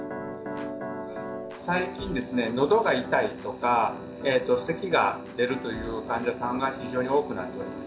最近ですね、のどが痛いとか、せきが出るという患者さんが、非常に多くなっております。